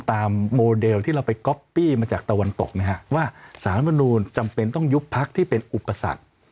โมเดลที่เราไปก๊อปปี้มาจากตะวันตกนะฮะว่าสารมนูลจำเป็นต้องยุบพักที่เป็นอุปสรรค